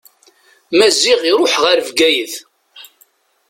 Maziɣ iruḥ ɣer Bgayet.